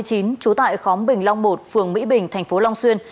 trú tại khóm bình long một phường mỹ bình thành phố long xuyên